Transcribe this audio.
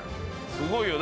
すごいよ。